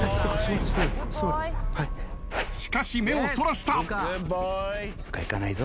しかし目をそらした。